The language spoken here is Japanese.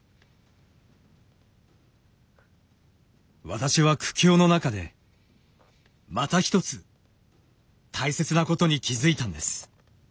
私は苦境の中でまた一つ大切なことに気づいたんです。